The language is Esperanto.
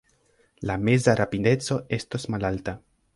La meza rapideco estos malalta.